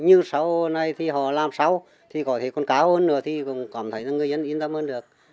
nhưng sau này thì họ làm sau thì có thể còn cao hơn nữa thì cũng cảm thấy là người dân yên tâm hơn được